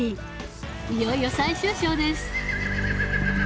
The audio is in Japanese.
いよいよ最終章です